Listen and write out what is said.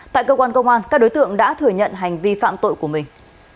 tại cơ quan công an các đối tượng đã thừa nhận hành vi phạm tội của mình